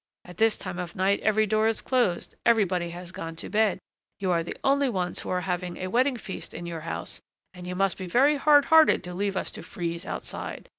At this time of night, every door is closed, everybody has gone to bed; you are the only ones who are having a wedding feast in your house, and you must be very hardhearted to leave us to freeze outside.